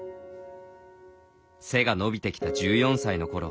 背が伸びてきた１４歳のころ